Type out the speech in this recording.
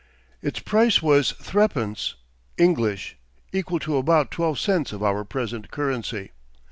Its price was threepence, English, equal to about twelve cents of our present currency.